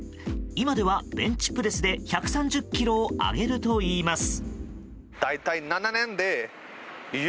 今ではベンチプレスで１３０ｋｇを上げるといいます。